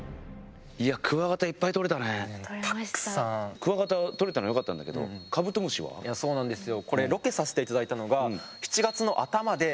クワガタとれたのよかったんだけどいやそうなんですよ。